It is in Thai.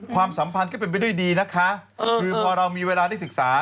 ความสัมพันธ์ก็เป็นไปด้วยดีนะคะคือพอเรามีเวลาได้ศึกษา